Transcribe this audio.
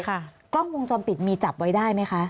กล้องวงจรปิดมีจับไว้ได้ไหมคะ